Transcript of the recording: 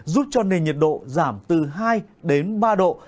giúp cho nền nhiệt độ giảm từ hai đến ba độ